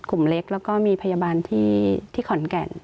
กลุ่มเล็กแล้วก็มีพยาบาลที่ขอนแก่น